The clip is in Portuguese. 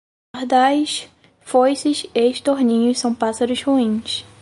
Pardais, foices e estorninhos são pássaros ruins.